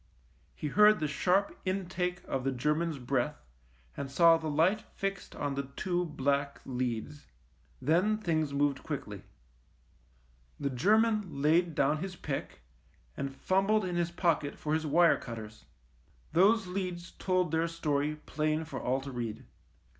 He heard the sharp intake of the German's breath, and saw the light fixed on the two black leads. Then things moved quickly. THE MINE 103 The German laid down his pick, and fum bled in his pocket for his wire cutters. Those leads told their story plain for all to read.